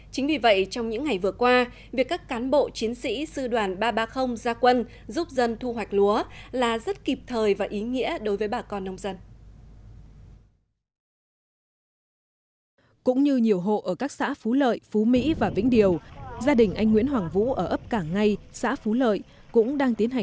chính vì vậy trong những ngày vừa qua việc các cán bộ chiến sĩ sư đoàn ba trăm ba mươi ra quân giúp dân thu hoạch lúa là rất kịp thời và ý nghĩa đối với bà con nông dân